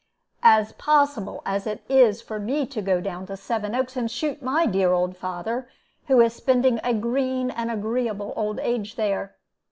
"As possible as it is for me to go down to Sevenoaks and shoot my dear old father, who is spending a green and agreeable old age there.